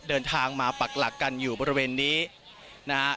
เดินทางมาปักหลักกันอยู่บริเวณนี้นะฮะ